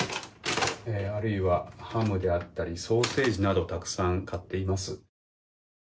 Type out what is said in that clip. あるいはハムであったりソーセージなどたくさん買っています。